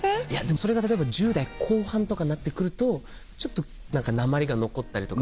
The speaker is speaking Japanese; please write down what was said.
それが例えば１０代後半とかなってくるとちょっと訛りが残ったりとか。